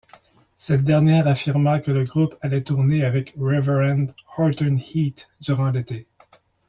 Cette dernière affirma que le groupe allait tourner avec Reverend Horton Heat durant l'été.